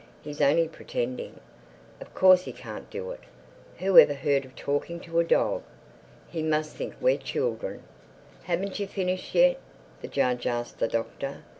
"He's only pretending. Of course he can't do it! Who ever heard of talking to a dog? He must think we're children." "Haven't you finished yet?" the judge asked the Doctor.